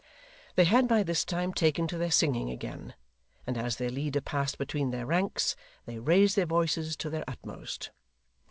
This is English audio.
They had by this time taken to their singing again, and as their leader passed between their ranks, they raised their voices to their utmost.